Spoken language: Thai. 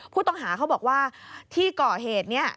ผู้ต้องหาเขาบอกว่าที่ก่อเหตุนี้